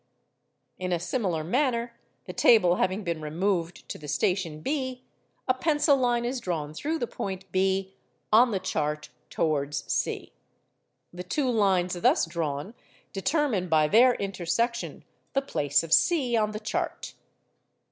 In a similar manner, the table having been removed to the station B, a pencil line is drawn through the point B on the chart towards C. The two lines thus drawn determine by their intersection the place of C on the chart.